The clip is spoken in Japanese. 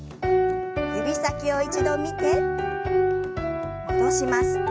指先を一度見て戻します。